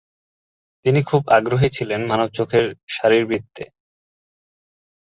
তিনি খুব আগ্রহী ছিলেন মানব চোখের শারীরবৃত্ত-এ।